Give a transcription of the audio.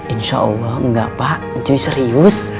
insya allah enggak pak itu serius